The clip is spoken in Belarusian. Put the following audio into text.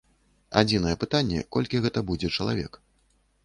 Адзінае пытанне, колькі гэта будзе чалавек.